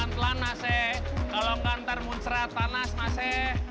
pelan pelan mas e kalau nanti muncrat panas mas e